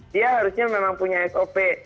dia harusnya memang punya sop